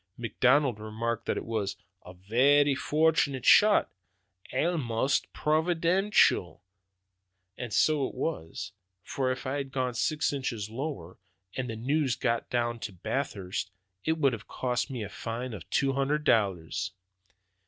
McDonald remarked that it was 'a varra fortunate shot, almaist providaintial!' And so it was; for if it had gone six inches lower, and the news gotten out at Bathurst, it would have cost me a fine of two hundred dollars."